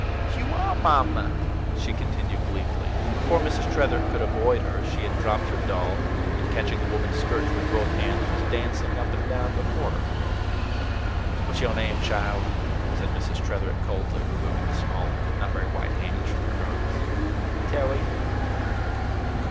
You are Mamma!" she continued gleefully; and before Mrs. Tretherick could avoid her, she had dropped her doll, and, catching the woman's skirts with both hands, was dancing up and down before her. "What's your name, child?" said Mrs. Tretherick coldly, removing the small and not very white hands from her garments. "Tarry."